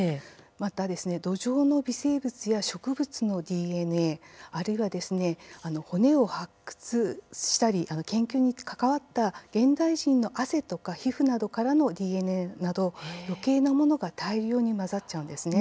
また土壌の微生物や植物のＤＮＡあるいは、骨を発掘したり研究に関わった現代人の汗とか皮膚などからのＤＮＡなどよけいなものが大量に混ざっちゃうんですね。